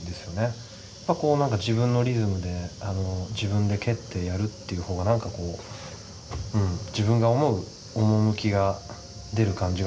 まあこう何か自分のリズムで自分で蹴ってやるっていう方が何かこううん自分が思う趣が出る感じがするんですよね。